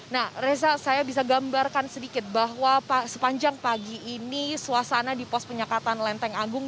nah reza saya bisa gambarkan sedikit bahwa sepanjang pagi ini suasana di pos penyekatan lenteng agung